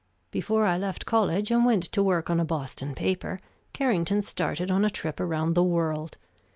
Before I left college and went to work on a Boston paper, Carrington started on a trip around the world.